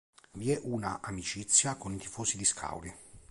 Vi è una amicizia con i tifosi di Scauri.